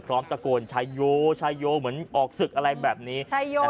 พร้อมตะโกนชายโยชายโยเหมือนออกศึกอะไรแบบนี้